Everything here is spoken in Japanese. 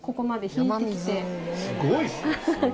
すごいですね！